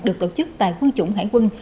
được tổ chức tại quân chủng hải quân